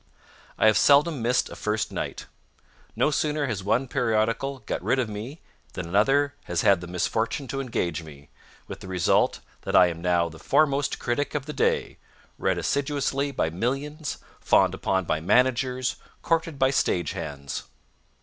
I have seldom missed a first night. No sooner has one periodical got rid of me than another has had the misfortune to engage me, with the result that I am now the foremost critic of the day, read assiduously by millions, fawned upon by managers, courted by stagehands.